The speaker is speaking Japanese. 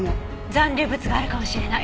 残留物があるかもしれない。